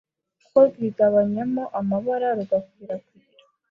uko rwigabanyamo amabara rugakwirakwira,